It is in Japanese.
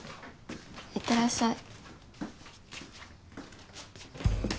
行ってらっしゃい。